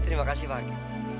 terima kasih pak hakim